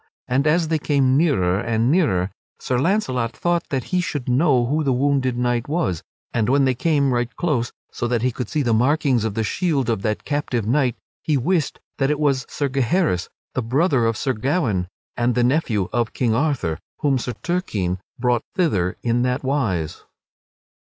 And as they came nearer and nearer Sir Launcelot thought that he should know who the wounded knight was and when they came right close, so that he could see the markings of the shield of that captive knight, he wist that it was Sir Gaheris, the brother of Sir Gawaine, and the nephew of King Arthur, whom Sir Turquine brought thither in that wise.